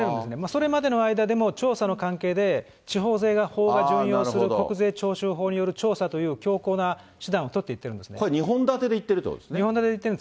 それまでの間でも、調査の関係で、地方税法・国税徴収法による調査という強硬な手段を取っていってこれ、２本立てでいってるんですね。